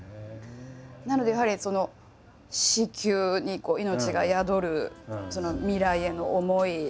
なのでやはり子宮に命が宿るその未来への思い。